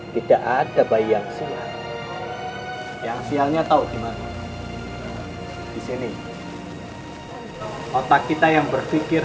tidak ada bayi yang siang yang siangnya tahu gimana disini otak kita yang berpikir